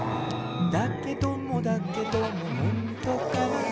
「だけどもだけどもほんとかな」